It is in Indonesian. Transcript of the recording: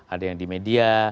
ada yang di media